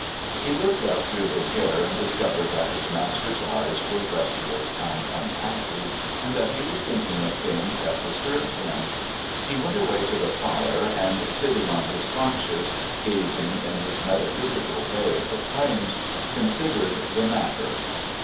He looked up through his hair and discovered that his master's eyes were restless and unhappy, and that he was thinking of things that disturbed him. He went away to the fire and, sitting on his haunches, gazing in his metaphysical way at the flames, considered the matter.